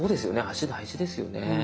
足大事ですよね。